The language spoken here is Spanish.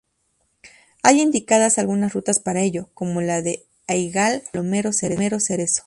Hay indicadas algunas rutas para ello, como la de Ahigal-Palomero-Cerezo.